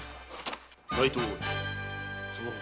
内藤大炊その方